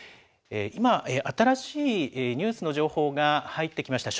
今、新しいニュースの情報が入ってきました。